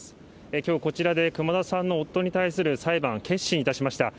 きょう、こちらで熊田さんの夫に対する裁判、結審いたしました。